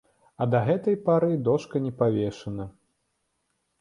А да гэтай пары дошка не павешана.